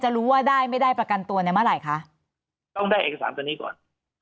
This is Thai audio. รู้ว่าได้ไม่ได้ประกันตัวในเมื่อไหร่คะต้องได้เอกสารตัวนี้ก่อน